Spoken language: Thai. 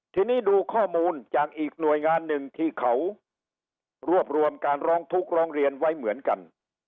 ทีนี้ดูข้อมูลจากอีกหน่วยงานหนึ่งที่เขารวบรวมการร้องทุกข์ร้องเรียนไว้เหมือนกัน